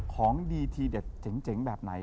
ของดีทีเด็ดเจ๋งแบบไหน